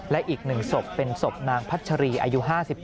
และอีก๑ศพเป็นศพนางพัชรีอายุ๕๗